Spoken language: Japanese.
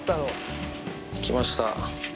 来ました。